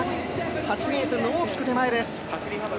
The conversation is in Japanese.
８ｍの大きく手前です。